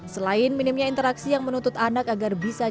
selain minimnya interaksi yang menuntut anak agar bisa